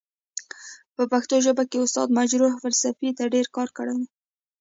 په پښتو ژبه کې استاد مجرح فلسفې ته ډير کار کړی دی.